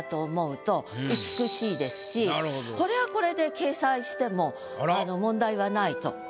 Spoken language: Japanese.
これはこれで掲載しても問題はないと。